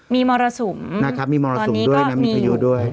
มีมอเตอร์สุมตอนนี้ก็มีหู